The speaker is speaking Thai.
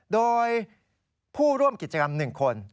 โดยผู้ร่วมกิจกรรม๑คน